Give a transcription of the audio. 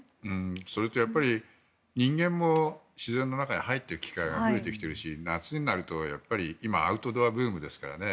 それとやっぱり人間も自然の中に入っていく機会が増えてきているし夏になると今アウトドアブームですからね。